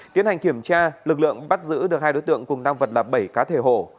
tiến hành kiểm tra lực lượng bắt giữ được hai đối tượng cùng tăng vật là bảy cá thể hổ